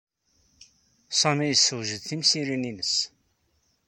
Sami yessewjed timsirin-nnes.